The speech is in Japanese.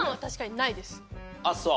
あっそう？